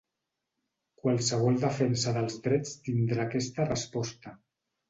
Qualsevol defensa dels drets tindrà aquesta resposta.